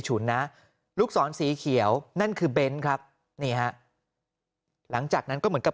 ฉุนนะลูกศรสีเขียวนั่นคือเบนท์ครับนี่ฮะหลังจากนั้นก็เหมือนกับ